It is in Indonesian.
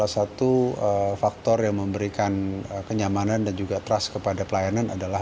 tahu bahwa salah satu faktor yang memberikan kenyamanan dan juga trust kepada pelayanan adalah